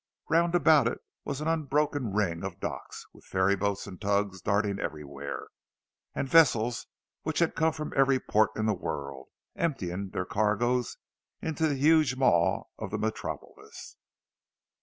Round about it was an unbroken ring of docks, with ferry boats and tugs darting everywhere, and vessels which had come from every port in the world, emptying their cargoes into the huge maw of the Metropolis.